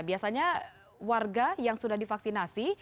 biasanya warga yang sudah divaksinasi